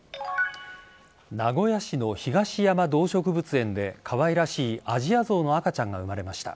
名古屋市の東山動植物園でかわいらしいアジアゾウの赤ちゃんが生まれました。